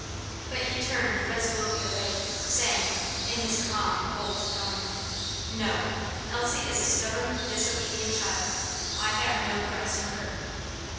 But he turned resolutely away, saying, in his calm, cold tone, "No! Elsie is a stubborn, disobedient child. I have no caress for her."